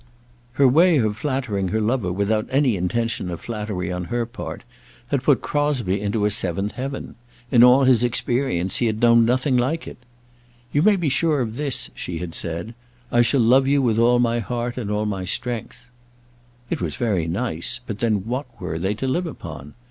Her way of flattering her lover without any intention of flattery on her part, had put Crosbie into a seventh heaven. In all his experience he had known nothing like it. "You may be sure of this," she had said, "I shall love you with all my heart and all my strength." It was very nice; but then what were they to live upon?